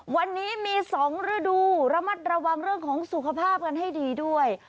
วันนี้มี๒ฤดูระมัดระวังเรื่องของสุขภาพกันให้ดีด้วย